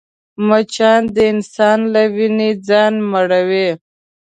مچان د انسان له وینې ځان مړوي